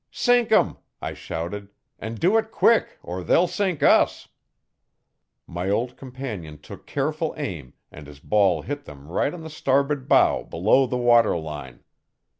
'Sink 'em,' I shouted, 'an' do it quick or they'll sink us.' My old companion took careful aim and his ball hit them right on the starboard bow below the water line.